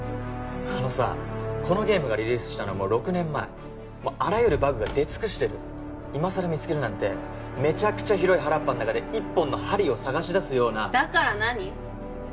あのさこのゲームがリリースしたのはもう６年前もうあらゆるバグが出尽くしてる今さら見つけるなんてメチャクチャ広い原っぱん中で一本の針を探し出すようなだから何？